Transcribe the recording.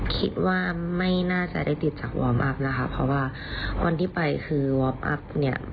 คิดว่าไม่น่าจะได้ติดจากวอร์มอัพนะคะเพราะว่าวันที่ไปคือวอร์มอัพเนี่ย